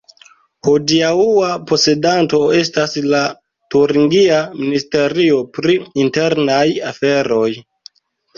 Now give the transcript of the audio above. Hodiaŭa posedanto estas la turingia ministerio pri internaj aferoj.